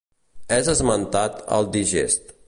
És esmentat al digest.